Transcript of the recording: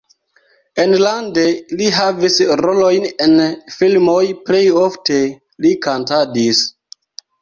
Enlande li havis rolojn en filmoj, plej ofte li kantadis.